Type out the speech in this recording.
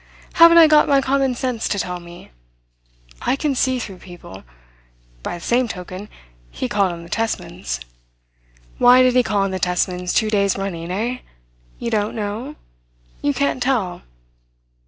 Haven't I got my common sense to tell me? I can see through people. By the same token, he called on the Tesmans. Why did he call on the Tesmans two days running, eh? You don't know? You can't tell?"